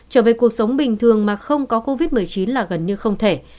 trở về cuộc sống bình thường mà không có covid một mươi chín là gần như không thể